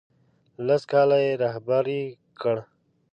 لس کاله یې رهبري کړ.